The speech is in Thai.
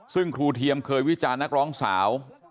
ซึ่งครูเทียมเคยวิจารณ์นักร้องสาว